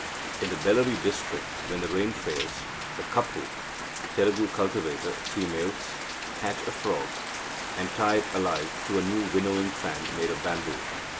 "In the Bellary district when the rain fails, the Kapu (Telugu cultivator) females catch a frog, and tie it alive to a new winnowing fan made of bamboo.